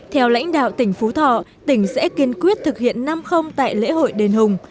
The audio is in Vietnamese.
theo lãnh đạo tỉnh phú thọ tỉnh sẽ kiên quyết thực hiện năm tại lễ hội đền hùng